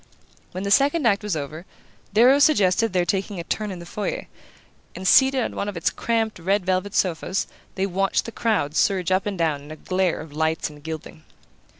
When the second act was over, Darrow suggested their taking a turn in the foyer; and seated on one of its cramped red velvet sofas they watched the crowd surge up and down in a glare of lights and gilding.